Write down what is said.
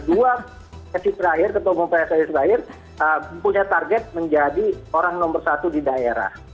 dua sesi terakhir ketua umum pssi terakhir punya target menjadi orang nomor satu di daerah